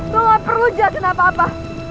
lo nggak perlu jelasin apa apa